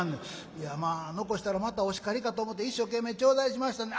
「いやまあ残したらまたお叱りかと思て一生懸命頂戴しましたんで」。